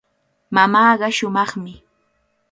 Mamaaqa shumaqmi.